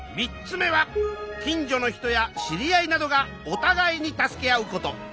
３つ目は近所の人や知り合いなどがお互いに助け合うこと。